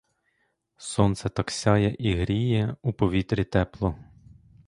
Сонце так сяє і гріє, у повітрі тепло.